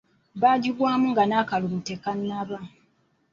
Baagigwamu nga n'akalulu tekannaba.